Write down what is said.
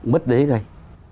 mất đế ngay